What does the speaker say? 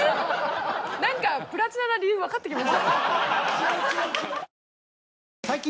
なんかプラチナな理由わかってきましたね。